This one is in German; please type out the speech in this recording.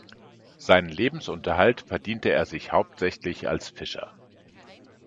Seinen Lebensunterhalt verdiente er sich hauptsächlich als Fischer.